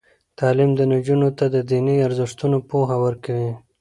تعلیم نجونو ته د دیني ارزښتونو پوهه ورکوي.